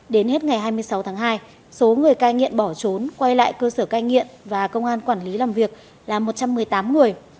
đến hết ngày hai mươi sáu tháng hai số người cai nghiện bỏ trốn quay lại cơ sở cai nghiện và công an quản lý làm việc là một trăm một mươi tám người